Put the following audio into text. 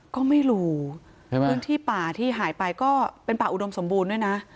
ก็ไม่รู้ใช่ไหมพื้นที่ป่าที่หายไปก็เป็นป่าอุดมสมบูรณ์ด้วยนะ